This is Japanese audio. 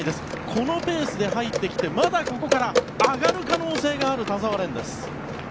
このペースで入ってきてまだここから上がる可能性がある田澤廉です。